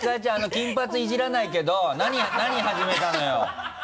金髪イジらないけど何始めたのよ？